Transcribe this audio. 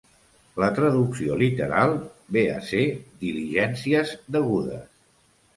La traducció literal ve a ser 'diligències degudes'.